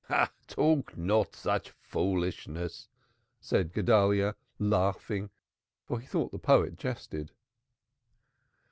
"Talk not such foolishness," said Guedalyah, laughing, for he thought the poet jested.